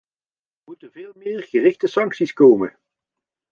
Er moeten veel meer gerichte sancties komen.